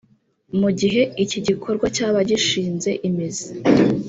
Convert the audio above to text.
Mu gihe iki gikorwa cyaba gishinze imizi